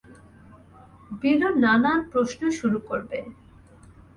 বিলু নানান প্রশ্ন শুরু করবে।